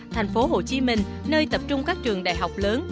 thành phố hồ chí minh nơi tập trung các trường đại học lớn